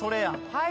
はい。